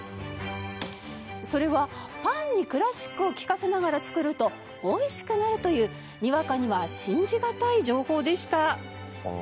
それはパンにクラシックを聞かせながら作ると美味しくなるというにわかには信じがたい情報でした。